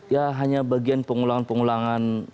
ya hanya bagian pengulangan pengulangan